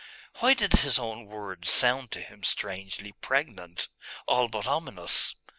Why did his own words sound to him strangely pregnant, all but ominous?